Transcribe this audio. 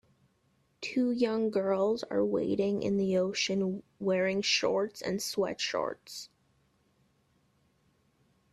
Two young girls are wading in the ocean wearing shorts and sweat shorts.